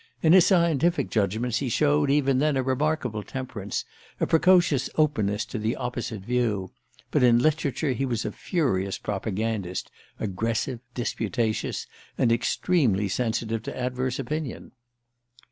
In his scientific judgments he showed, even then, a remarkable temperance, a precocious openness to the opposite view; but in literature he was a furious propagandist, aggressive, disputatious, and extremely sensitive to adverse opinion.